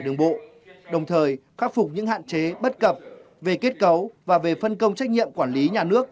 đường bộ đồng thời khắc phục những hạn chế bất cập về kết cấu và về phân công trách nhiệm quản lý nhà nước